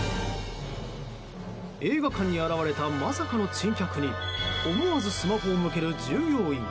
映画館に現れた、まさかの珍客に思わずスマホを向ける従業員。